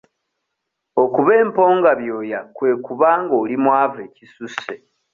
Okuba emponga byooya kwe kuba nga oli mwavu ekisusse.